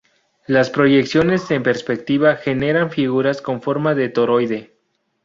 Las proyecciones en perspectiva generan figuras con forma de toroide.